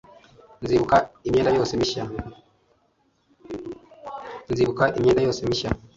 nzibuka imyenda yose mishya